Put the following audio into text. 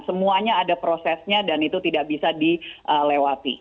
semuanya ada prosesnya dan itu tidak bisa dilewati